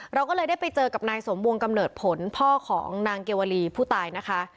เราก็เลยได้ไปเจอกับนายสมวงกำเนิดผลพ่อของนางเกวลีผู้ตายนะคะ